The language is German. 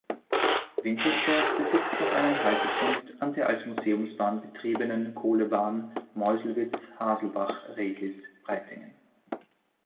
Wintersdorf besitzt noch einen Haltepunkt an der als Museumsbahn betriebenen Kohlebahn Meuselwitz–Haselbach–Regis-Breitingen.